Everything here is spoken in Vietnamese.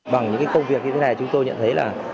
bằng những công việc như thế này chúng tôi nhận thấy là